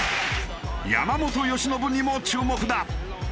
山本由伸にも注目だ。